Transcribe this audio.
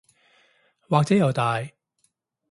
或者又大